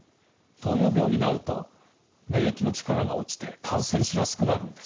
糖尿病になると免疫の力が落ちて感染しやすくなるんです。